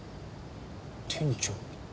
店長